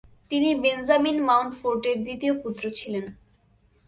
তিনি বেঞ্জামিন মাউন্টফোর্টের দ্বিতীয় পুত্র ছিলেন।